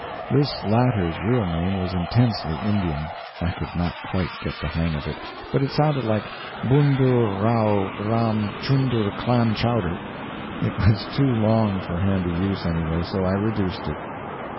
This latter's real name was intensely Indian. I could not quite get the hang of it, but it sounded like Bunder Rao Ram Chunder Clam Chowder. It was too long for handy use, anyway; so I reduced it.